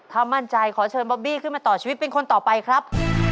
ถ้ามั่นใจขอเชิญบอบบี้ขึ้นมาต่อชีวิตเป็นคนต่อไปครับ